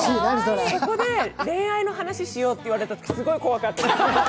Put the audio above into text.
そこで恋愛の話しようって言われたとき、すごく怖かったです。